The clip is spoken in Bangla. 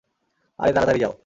আরে তাড়াতাড়ি যাও।